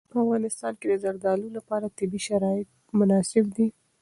په افغانستان کې د زردالو لپاره طبیعي شرایط مناسب دي.